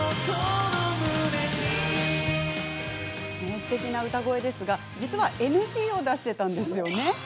すてきな歌声ですが実はＮＧを出していたんですよね。